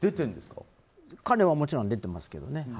彼ももちろん出てますけどね。